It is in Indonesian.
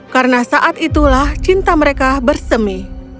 karena saat itulah cinta mereka bersemi